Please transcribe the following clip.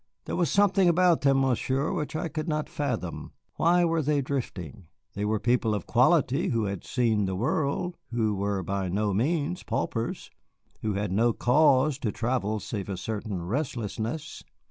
"There was something about them, Monsieur, which I could not fathom. Why were they drifting? They were people of quality who had seen the world, who were by no means paupers, who had no cause to travel save a certain restlessness.